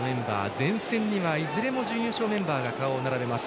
前線にはいずれも準優勝メンバーが顔を並べます。